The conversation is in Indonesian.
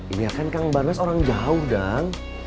ini kan kan barangnya orang jauh dang